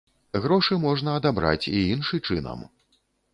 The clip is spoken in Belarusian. Грошы можна адабраць і іншы чынам.